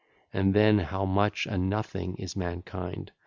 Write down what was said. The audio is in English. (And then how much a nothing is mankind!